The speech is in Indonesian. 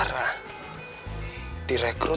terus ada pembahasan juga